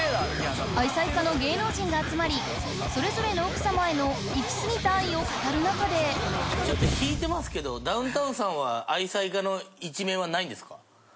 愛妻家の芸能人が集まりそれぞれのちょっと引いてますけどダウンタウンさんは愛妻家の一面は無いんですか？